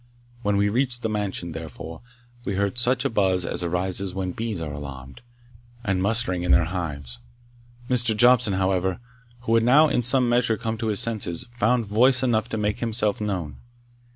When we reached the mansion, therefore, we heard such a buzz as arises when bees are alarmed, and mustering in their hives. Mr. Jobson, however, who had now in some measure come to his senses, found voice enough to make himself known.